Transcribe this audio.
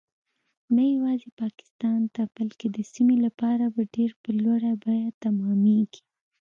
نه یوازې پاکستان ته بلکې د سیمې لپاره به ډیر په لوړه بیه تمامیږي